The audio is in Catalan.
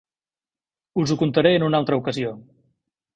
Us ho contaré en una altra ocasió.